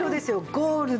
ゴールド。